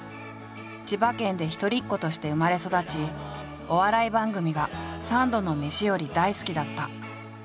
千葉県で一人っ子として生まれ育ちお笑い番組が三度の飯より大好きだった。